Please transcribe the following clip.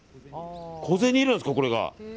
小銭入れるんですか、これが。